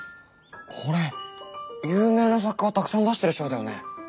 これ有名な作家をたくさん出している賞だよね。